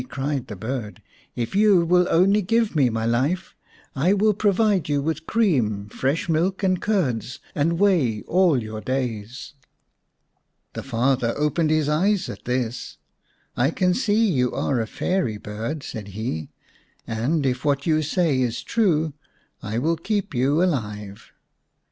" cried the bird. " If you will only give me my life I will provide you with cream, fresh milk, and curds and whey all your days." The father opened his eyes at this. " I can see you are a fairy bird," said he, " and if what you say is true I will keep you alive."